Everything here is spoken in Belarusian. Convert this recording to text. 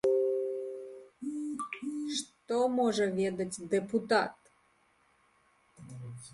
Што можа ведаць дэпутат?